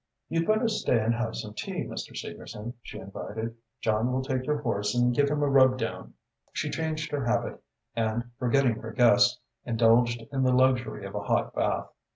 "You'd better stay and have some tea, Mr. Segerson," she invited. "John will take your horse and give him a rubdown." She changed her habit and, forgetting her guest, indulged in the luxury of a hot bath.